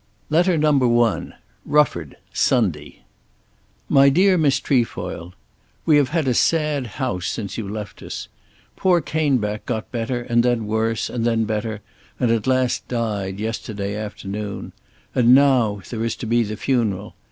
LETTER NO. 1. Rufford, Sunday. MY DEAR MISS TREFOIL, We have had a sad house since you left us. Poor Caneback got better and then worse and then better, and at last died yesterday afternoon. And now; there is to be the funeral!